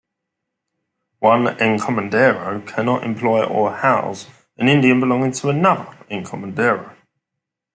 One "encomendero" cannot employ or house an Indian belonging to another "encomendero".